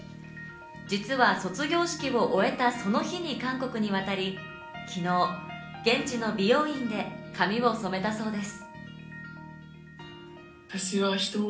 実は卒業式を終えたその日に韓国に渡り、昨日、現地の美容院で髪を染めたそうです。